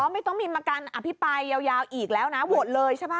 ไม่ต้องมีการอภิปรายยาวอีกแล้วนะโหวตเลยใช่ป่